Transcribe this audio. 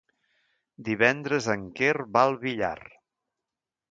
Divendres en Quer va al Villar.